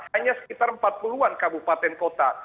hanya sekitar empat puluh an kabupaten kota